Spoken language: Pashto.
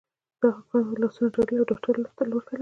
د هغه لاسونه تړلي وو او د دفتر لور ته لاړ